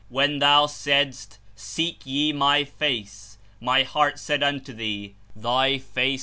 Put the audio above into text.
When thou saidsi, "Seek ye my face;" my heart said unto thee, "Thy face.